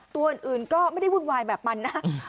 ตัวอื่นก็ไม่ได้วุ่นวายแบบมันนะ